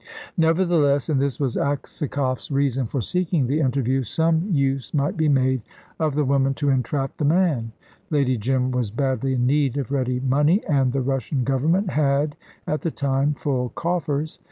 Nevertheless and this was Aksakoff's reason for seeking the interview some use might be made of the woman to entrap the man. Lady Jim was badly in need of ready money, and the Russian Government had, at the time, full coffers.